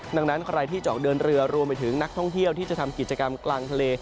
ดังนั้นใครที่จะออกเดินเรือรวมไปถึงนักท่องเที่ยวที่จะทำกิจกรรมกลางทะเล